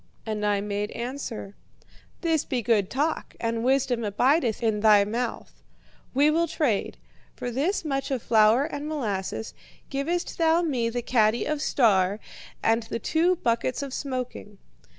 "And I made answer: 'This be good talk, and wisdom abideth in thy mouth. We will trade. For this much of flour and molasses givest thou me the caddy of "Star" and the two buckets of smoking.'